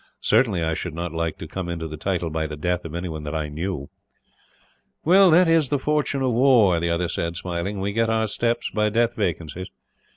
Certainly, I should not like to come into the title by the death of anyone that I knew." "That is the fortune of war," the other said, smiling. "We get our steps by death vacancies.